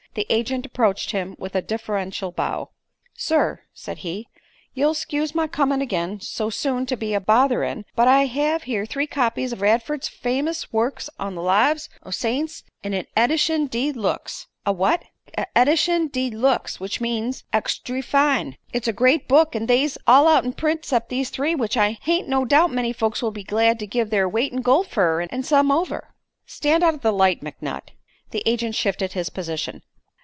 The agent approached him with a deferential bow. "Sir," said he, "you'll 'scuse my comin' agin so soon to be a botherin'; but I hev here three copies of Radford's famis wucks on the Lives o' the Saints, in a edishun dee looks " "A what?" "A edishun dee looks, which means extry fine. It's a great book an' they's all out'n print 'cept these three, which I hain't no doubt many folks would be glad to give their weight in gold fer, an' some over." "Stand out of the light, McNutt." The agent shifted his position.